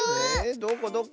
どこどこ？